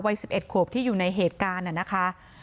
วัย๑๑ขวบที่อยู่ในเหตุการณ์น่ะนะคะ